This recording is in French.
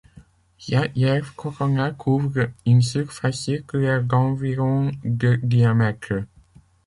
Ya Yerv Corona couvre une surface circulaire d'environ de diamètre.